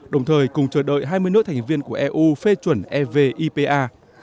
đồng thời cùng chờ đợi hai mươi nước thành viên của eu phê chuẩn evipa